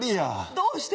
どうして？